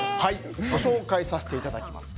ご紹介させていただきます。